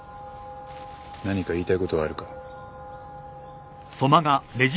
何か言いたいことはあるか？